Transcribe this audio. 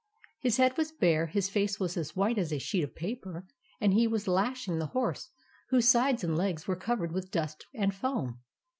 His head was bare; his face was as white as a sheet of paper ; and he was lashing the horse, whose sides and legs were covered with dust and foam.